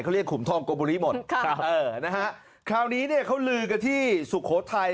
เขาเรียกขุมทองโกบุริหมดคราวนี้เขาลือกับที่สุโขทัย